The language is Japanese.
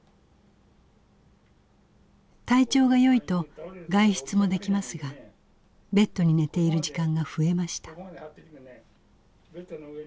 体調がよいと外出もできますがベッドに寝ている時間が増えました。